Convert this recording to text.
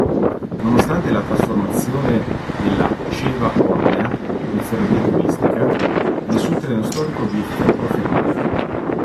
Nonostante la trasformazione della Ceva-Ormea in ferrovia turistica, nessun treno storico vi effettua fermata.